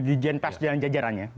di jenpas jajarannya